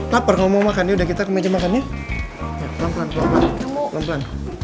laper ngomong makannya udah kita ke meja makan ya